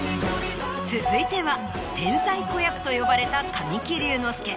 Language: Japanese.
続いては天才子役と呼ばれた神木隆之介